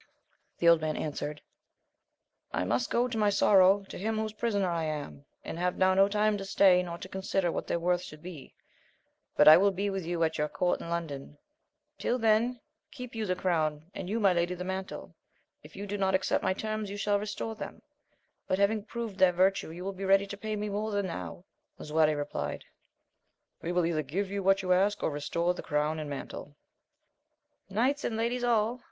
The old man answered, I must go, to my sorrow, to him whose prisoner I am, and have now no time to stay, nor to consider what their worth should be, but I will be with you at your court in London ; till then, keep you the crown, and you my lady queen the mantle : if you do not accept my terms, you shall restore them; but, having proved their virtue, you will be ready to pay me more than now. Lisuarte replied. We will either give you what you ask, or restore the crown and mantle. Knights and ladies all